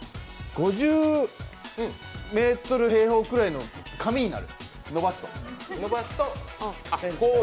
５０ｍ平方ぐらいの紙になる、伸ばすと。